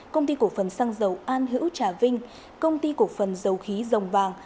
công ty cổ phần xăng dầu an hữu trà vinh công ty cổ phần dầu khí dòng vàng